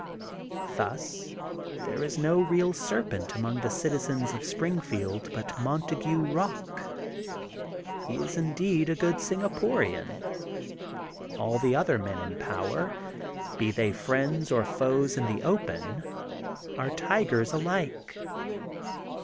Thus there is no real serpent among the citizens of Springfield but Monta gue Rock. He is indeed a good Singaporian. All the other men in power, be they friends or foes in the open, are tigers alike.